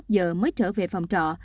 hai mươi một giờ mới trở về phòng trọ